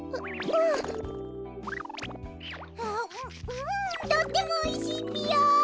ふんとってもおいしいぴよ。